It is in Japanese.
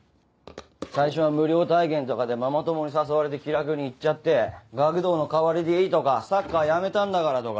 最初は無料体験とかでママ友に誘われて気楽に行っちゃって学童の代わりでいいとかサッカーはやめたんだからとか。